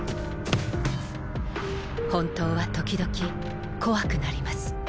本当は時々怖くなります